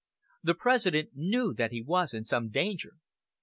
The President knew that he was in some danger.